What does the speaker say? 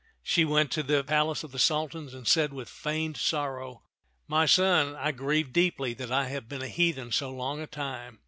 She went to the palace of the Sultan and said with feigned sorrow, "My son, I grieve deeply that I have been a heathen so long a time.